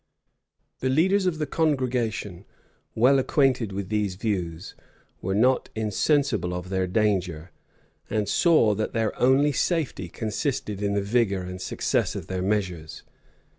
The leaders of the congregation, well acquainted with these views, were not insensible of their danger, and saw that their only safety consisted in the vigor and success of their measures.